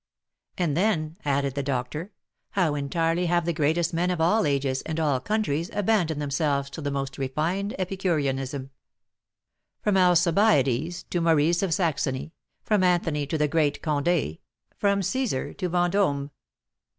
And then, added the doctor, how entirely have the greatest men of all ages and all countries abandoned themselves to the most refined epicureanism, from Alcibiades to Maurice of Saxony, from Anthony to the great Condé, from Cæsar to Vendome!